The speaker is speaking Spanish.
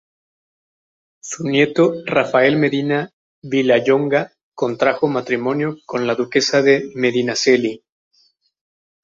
Su nieto Rafael Medina Vilallonga contrajo matrimonio con la duquesa de Medinaceli.